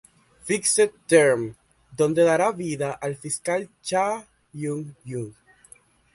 Fixed Term" donde dará vida al fiscal Cha Hyun-jung.